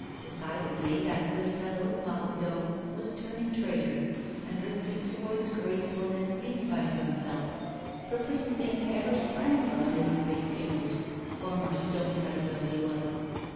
Decidedly, that good fellow Mahoudeau was turning traitor, and drifting towards gracefulness, in spite of himself, for pretty things ever sprang from under his big fingers, former stonecutter though he was.